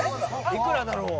いくらだろう